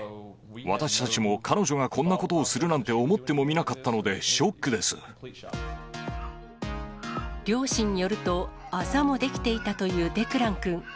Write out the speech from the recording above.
私たちも彼女がこんなことをするなんて思ってもみなかったのでシ両親によると、あざも出来ていたというデクランくん。